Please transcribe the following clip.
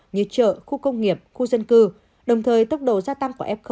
như chợ khu công nghiệp khu dân cư đồng thời tốc độ gia tăng của f